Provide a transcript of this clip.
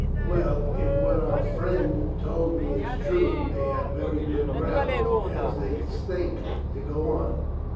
"Well, if what our friend told me is true, they have very good grounds, as they think, to go on.